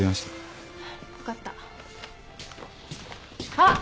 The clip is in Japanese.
あっ！